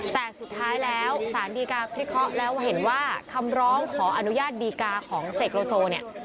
แต่สุดท้ายแล้วสารดีกาพิเคราะห์แล้วเห็นว่าคำร้องขออนุญาตดีกาของเสกโลโซเนี่ย